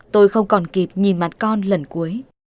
tôi không còn kịp nhìn mặt con lần cuối